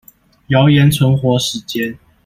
謠言存活時間